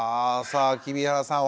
さあ黍原さん